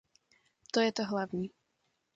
To je to hlavní.